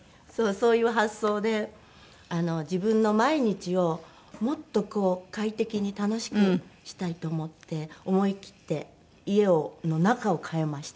そういう発想で自分の毎日をもっとこう快適に楽しくしたいと思って思いきって家の中を変えました。